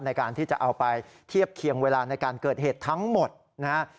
ในการที่จะเอาไปเทียบเคียงเวลาในการเกิดเหตุทั้งหมดนะฮะ